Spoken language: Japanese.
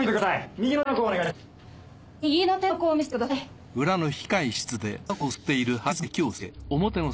右の手の甲を見せてください。